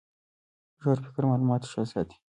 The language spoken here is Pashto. ژور فکر معلومات ښه ساتي.